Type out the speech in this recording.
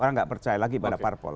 orang gak percaya lagi pada parpol